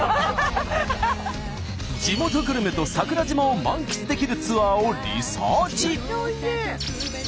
地元グルメと桜島を満喫できるツアーをリサーチ。